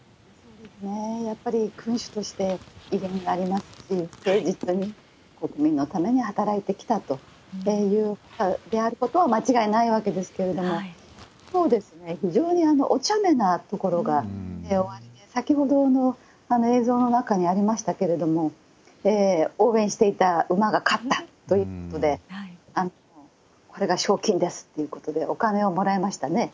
やっぱり君主として威厳がありますし、誠実に国民のために働いてきたという方であるということは間違いないわけですけれども、一方、非常にお茶目なところがおありで、先ほどの映像の中にありましたけれども、応援していた馬が勝ったということで、これが賞金ですということで、お金をもらいましたね。